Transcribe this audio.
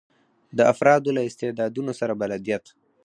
د افرادو له استعدادونو سره بلدیت.